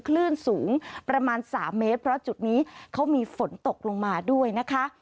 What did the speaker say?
คลื่นสูงประมาณ๓เมตรเพราะจุดนี้เขามีฝนตกลงมาด้วยนะคะ